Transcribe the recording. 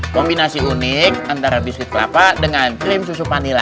kombinasi unik antara biskuit kelapa dengan cream susu vanilla